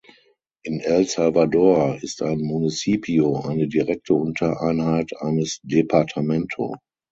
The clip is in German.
In El Salvador ist ein Municipio eine direkte Untereinheit eines Departamento.